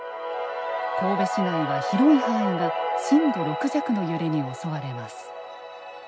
神戸市内は広い範囲が震度６弱の揺れに襲われます。